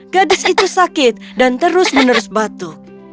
gadis itu sakit dan terus menerus batuk